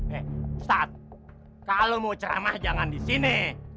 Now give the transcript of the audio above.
eh ustadz kalau mau ceramah jangan di sini